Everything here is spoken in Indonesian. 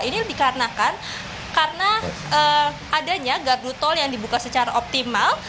ini dikarenakan karena adanya gardu tol yang dibuka secara optimal